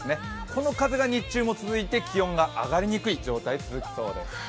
この風が日中も続いて気温が上がりにくい状態が続きそうです。